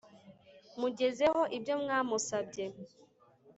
mugezeho ibyo mwamusabye